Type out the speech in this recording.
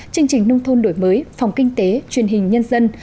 chương trình nông thôn đổi mới phòng kinh tế truyền hình nhân dân